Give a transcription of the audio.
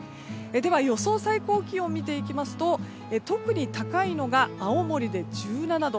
では、予想最高気温を見ていきますと特に高いのが、青森で１７度。